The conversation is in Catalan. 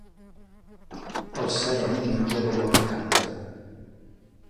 El sereno menja d'allò que canta.